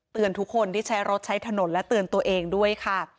ทุกคนที่ใช้รถใช้ถนนและเตือนตัวเองด้วยค่ะ